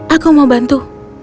aku mau bantu